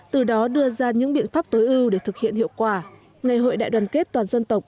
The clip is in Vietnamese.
từ đó đưa ra những biện pháp tối ưu để thực hiện hiệu quả ngày hội đại đoàn kết toàn dân tộc